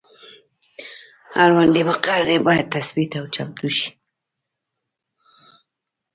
اړونده مقررې باید تثبیت او چمتو شي.